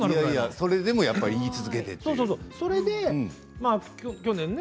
それでも言い続けているんですね。